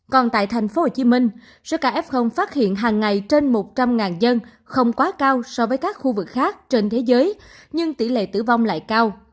còn tại thành phố hồ chí minh số ca f phát hiện hàng ngày trên một trăm linh dân không quá cao so với các khu vực khác trên thế giới nhưng tỷ lệ tử vong lại cao